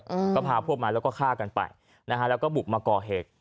อืมก็พาพวกมาแล้วก็ฆ่ากันไปนะฮะแล้วก็บุกมาก่อเหตุ